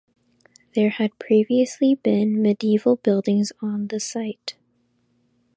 There had previously been medieval buildings on the site.